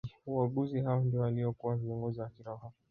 Waaguzi hao ndio waliokuwa viongozi wa kiroho